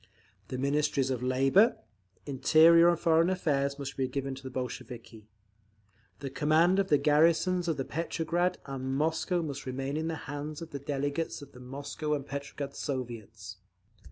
The Ministries of Labour, Interior and Foreign Affairs must be given to the Bolsheviki. The command of the garrisons of Petrograd and Moscow must remain in the hands of delegates of the Moscow and Petrograd Soviets.